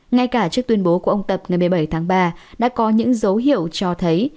ngay cả trước tuyên bố của ông tập ngày một mươi bảy tháng ba đã có những dấu hiệu cho thấy